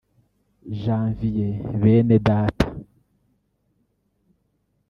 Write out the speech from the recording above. Janvier Benedata